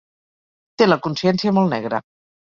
Té la consciència molt negra.